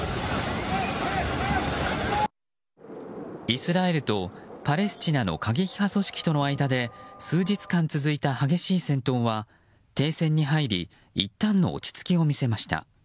イスラエルとパレスチナの過激派組織との間で数日間続いた激しい戦闘は停戦に入り一端の落ち着きを見せました。